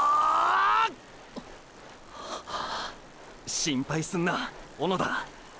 心配すんな小野田。